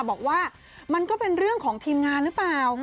บอกว่ามันก็เป็นเรื่องของทีมงานหรือเปล่า